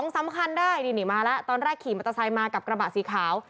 สำคัญได้นี่มาแล้วตอนแรกขี่มอเตอร์ไซค์มากับกระบะสีขาว